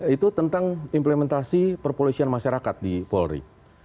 itu tentang implementasi perpolisian masyarakat di polri